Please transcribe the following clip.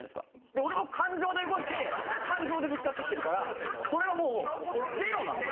俺も感情で動いて感情でぶつかって来てるからそれはもうゼロなんです。